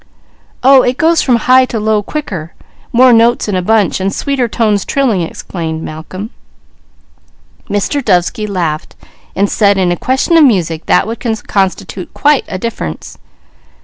"Oh, it goes from high to low quicker, more notes in a bunch, and sweeter tones trilling," explained Malcolm. Mr. Dovesky laughed, saying in a question of music that would constitute quite a difference.